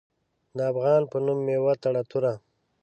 د افغان په نوم مې وتړه توره